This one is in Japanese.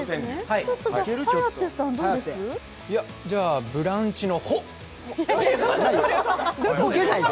じゃあ「ブランチ」の「ホ」で。